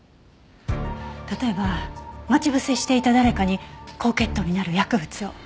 例えば待ち伏せしていた誰かに高血糖になる薬物を。